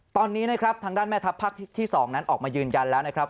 ตอนนี้นะครับทางด้านแม่ทัพภาคที่๒นั้นออกมายืนยันแล้วนะครับ